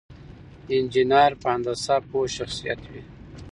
انجينر په هندسه پوه شخصيت وي.